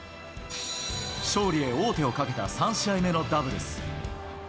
勝利へ王手をかけた３試合目のダブルス。